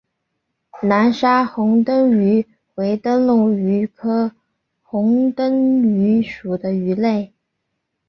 南沙虹灯鱼为灯笼鱼科虹灯鱼属的鱼类。